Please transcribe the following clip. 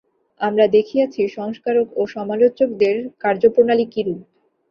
আমরা দেখিয়াছি, সংস্কারক ও সমালোচকদের কার্যপ্রণালী কিরূপ।